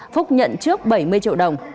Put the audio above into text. phúc nhận trước bảy mươi triệu đồng